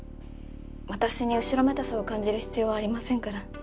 私に後ろめたさを感じる必要はありませんから。